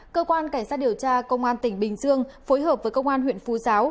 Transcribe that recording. cơ quan cảnh sát điều tra công an tỉnh bình dương phối hợp với công an huyện phú giáo